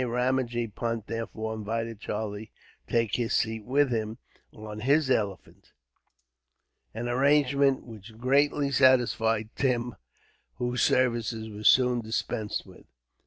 Ramajee Punt, therefore, invited Charlie to take his seat with him, on his elephant, an arrangement which greatly satisfied Tim, whose services were soon dispensed with.